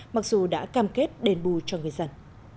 mặc dù đã cam kết đền bù cho người dân